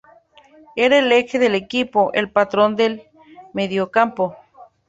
Era el eje del equipo, el patrón del mediocampo.